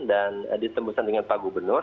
dan ditembuskan dengan pak gubernur